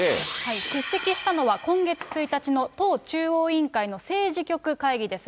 出席したのは今月１日の党中央委員会の政治局会議です。